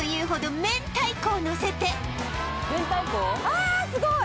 ああすごい！